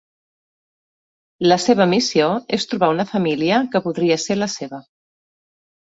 La seva missió és trobar una família que podria ser la seva.